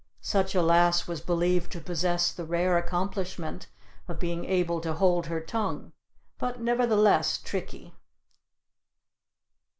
Such a lass was believed to possess the rare accomplishment of being able to hold her tongue, but nevertheless tricky.